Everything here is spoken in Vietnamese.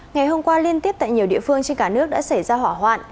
ngày hôm qua liên tiếp tại nhiều địa phương trên cả nước đã xảy ra hỏa hoạn